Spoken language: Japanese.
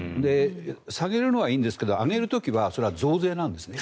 下げるのはいいんですけど上げる時はそれは増税なんですね。